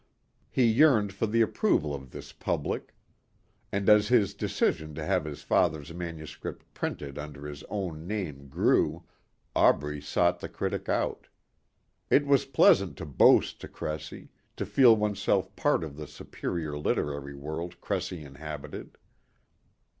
He yearned for the approval of this public. And as his decision to have his father's manuscript printed under his own name grew, Aubrey sought the critic out. It was pleasant to boast to Cressy, to feel oneself part of the superior literary world Cressy inhabited.